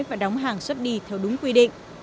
và đóng hàng xuất đi theo đúng quy định